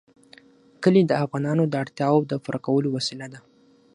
کلي د افغانانو د اړتیاوو د پوره کولو وسیله ده.